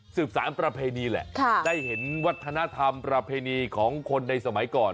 สารประเพณีแหละได้เห็นวัฒนธรรมประเพณีของคนในสมัยก่อน